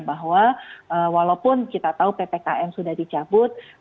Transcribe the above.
bahwa walaupun kita tahu ppkm sudah dicabut